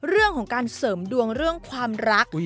เรื่องของการเสริมดวงเรื่องความรัก